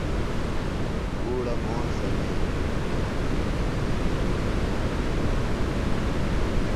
گُھوڑہ موݨ سمیلیۡ۔